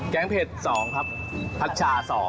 แกงเพ็ด๒ครับผัดฉ่า๒